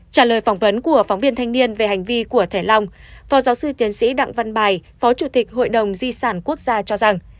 trả lời phỏng vấn của phóng viên thanh niên về hành vi của thẻ long phó giáo sư tiến sĩ đặng văn bài phó chủ tịch hội đồng di sản quốc gia cho rằng